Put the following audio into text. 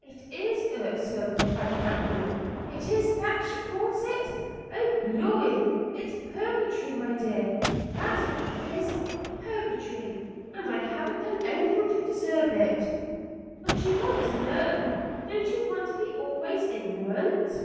"Is it irksome?" cried Kathleen. "Is it that she calls it? Oh, glory! It's purgatory, my dear, that's what it is purgatory and I haven't done anything to deserve it." "But you want to learn; you don't want to be always ignorant."